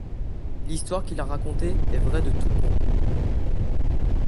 L’histoire qu’il a racontée est vraie de tous points